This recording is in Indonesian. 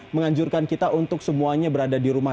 menganjurkan kita untuk semuanya berada di rumah